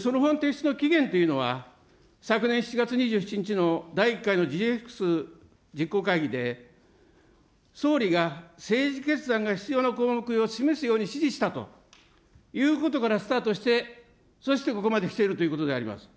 その法案提出の期限というのは、昨年７月２７日の第１回のＧＸ実行会議で、総理が政治決断が必要な項目を示すように指示したということからスタートして、そしてここまできているということであります。